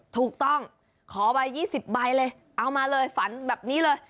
ถูกต้องขอใบ๒๐ใบเลยเอามาเลยฝันแบบนี้เลย